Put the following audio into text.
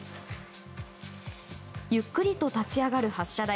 ゆっくりと立ち上がる発射台。